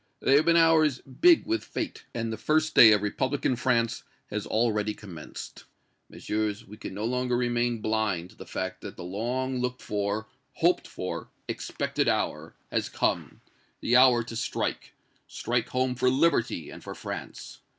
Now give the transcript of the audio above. They have been hours big with fate; and the first day of Republican France has already commenced. Messieurs, we can no longer remain blind to the fact that the long looked for hoped for expected hour has come the hour to strike strike home for liberty and for France!